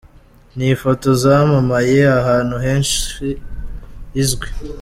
Ni ifoto zamamaye ahantu henshi izwi.